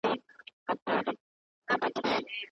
د زړه بدو ارادې ته غاړه نه اېښودل کېږي.